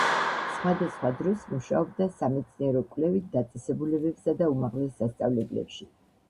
სხვადასხვა დროს მუშაობდა სამეცნიერო-კვლევით დაწესებულებებსა და უმაღლეს სასწავლებლებში.